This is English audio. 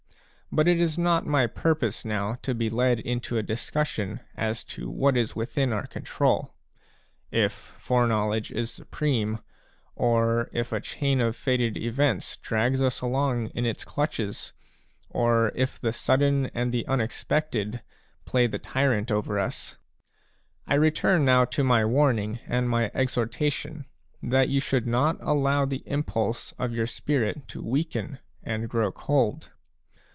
But it is not my purpose now to be led into a discussion as to what is within our own control, — if foreknowledge is supreme, or if a chain of fated events drags us along in its clutches, or if the sudden and the unexpected play the tyrant over us ; I return now to my warning and my exhortation, that you should not allow the impulse of your spirit to weaken and grow cold.